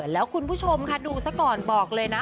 แล้วคุณผู้ชมค่ะดูซะก่อนบอกเลยนะ